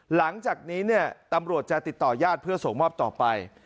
หลังจากนี้เนี่ยตำรวจจะติดต่อญาติเพื่อส่งมอบต่อไป